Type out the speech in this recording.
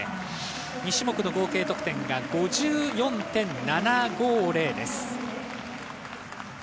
２種目の合計得点が５４．７５０です。